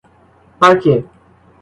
parquet